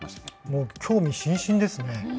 もう興味津々ですね。